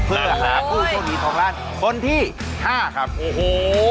เพื่อหาผู้ช่องดีทองร้านคนที่๕ครับโอ้โฮ